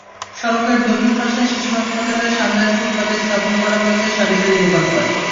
সড়কের দক্ষিণ পাশে শিশু হাসপাতালের সামনের ফুটপাতে স্থাপন করা হয়েছে সারি সারি দোকানপাট।